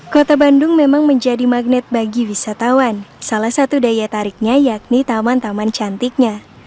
kota bandung memang menjadi magnet bagi wisatawan salah satu daya tariknya yakni taman taman cantiknya